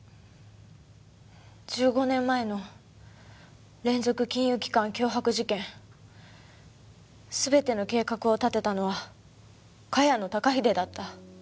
１５年前の連続金融機関脅迫事件全ての計画を立てたのは茅野孝英だった。